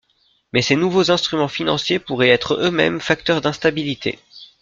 Mais ces nouveaux instruments financiers pourraient être eux-mêmes facteurs d'instabilité.